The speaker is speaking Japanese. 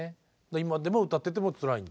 今でも歌っててもつらいんだ。